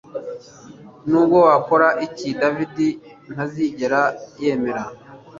Nubwo wakora iki David ntazigera yemera